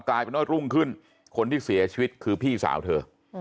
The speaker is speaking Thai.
กลายเป็นว่ารุ่งขึ้นคนที่เสียชีวิตคือพี่สาวเธอ